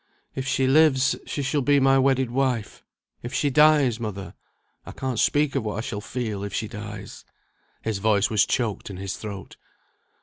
"If she lives, she shall be my wedded wife. If she dies mother, I can't speak of what I shall feel if she dies." His voice was choked in his throat.